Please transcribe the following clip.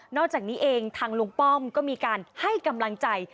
อกจากนี้เองทางลุงป้อมก็มีการให้กำลังใจ